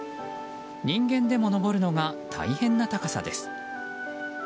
人間でも登るのが大変な高さです。